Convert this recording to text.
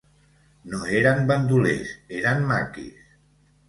No eren bandolers, eren maquis.